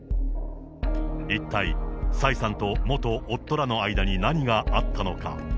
一体蔡さんと元夫らの間に何があったのか。